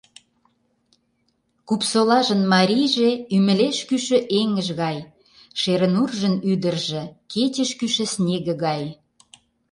Купсолажын марийже — ӱмылеш кӱшӧ эҥыж гай, Шернуржын ӱдыржӧ — кечеш кӱшӧ снеге гай.